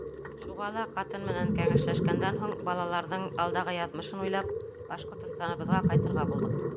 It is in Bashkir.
Шуға ла, ҡатын менән кәңәшләшкәндән һуң, балаларҙың алдағы яҙмышын уйлап, Башҡортостаныбыҙға ҡайтырға булдыҡ.